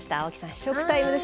試食タイムです。